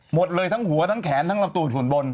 หมดเลยทั้งหัวทั้งแขนทั้งลำตัวส่วนบน